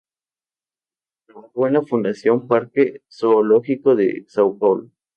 Trabajó en la ""Fundación Parque Zoológico de São Paulo""